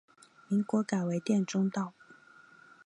民国改为滇中道。